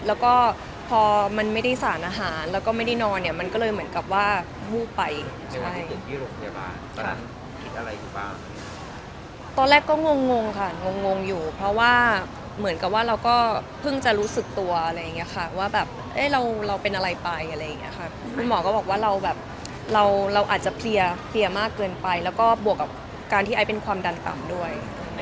ก็เลยเหมือนกับว่าวูบไปในวันที่ตื่นที่โรงพยาบาลคิดอะไรอยู่บ้างตอนแรกก็งงค่ะงงอยู่เพราะว่าเหมือนกับว่าเราก็เพิ่งจะรู้สึกตัวอะไรอย่างนี้ค่ะว่าแบบเราเป็นอะไรไปอะไรอย่างนี้ค่ะคุณหมอก็บอกว่าเราแบบเราอาจจะเพลียมากเกินไปแล้วก็บวกกับการที่ไอ้เป็นความดันต่ำด้วย